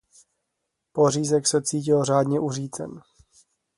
Pořízek se cítil řádně uřícen.